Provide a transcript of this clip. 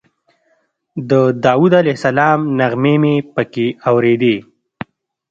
د داود علیه السلام نغمې مې په کې اورېدې.